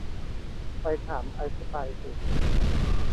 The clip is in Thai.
ไปถามไอน์สไตน์สิ